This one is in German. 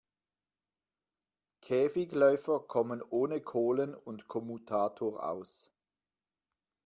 Käfigläufer kommen ohne Kohlen und Kommutator aus.